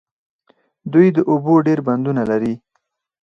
دوی د اوبو ډیر بندونه لري.